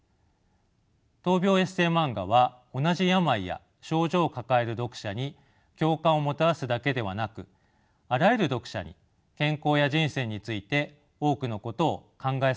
闘病エッセーマンガは同じ病や症状を抱える読者に共感をもたらすだけではなくあらゆる読者に健康や人生について多くのことを考えさせてくれるものです。